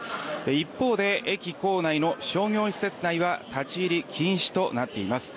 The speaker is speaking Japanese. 一方で、駅構内の商業施設内は立ち入り禁止となっています。